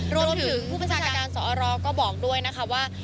รวมถึงผู้บัญชาการสอรก็บอกด้วยนะคะว่า